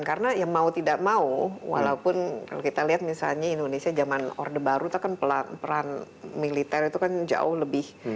karena mau tidak mau walaupun kalau kita lihat misalnya indonesia zaman orde baru itu kan peran militer itu kan jauh lebih